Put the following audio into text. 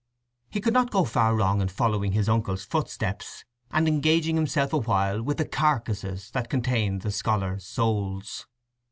He could not go far wrong in following his uncle's footsteps, and engaging himself awhile with the carcases that contained the scholar souls.